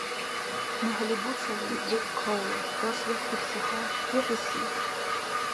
МухӀли буцалли, бекӀ кавлан. Дарс бехӀбирхьехӀе. ВехӀихьи!